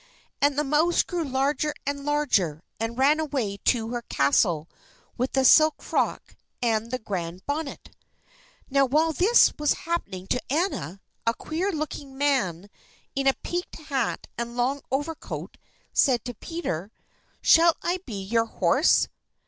And the mouse grew larger and larger, and ran away to her castle with the silk frock and the grand bonnet. Now while this was happening to Anna a queer looking man in a peaked hat and long overcoat said to Peter, "Shall I be your horse?"